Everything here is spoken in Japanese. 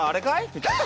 みたいな。